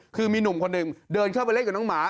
คือมีหนุ่มคนหนึ่งเดินเข้าไปเล่นกับน้องหมา